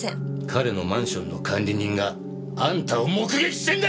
彼のマンションの管理人があんたを目撃してんだよ！